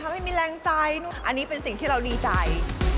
ให้มีแรงใจอันนี้เป็นสิ่งที่เราดีใจ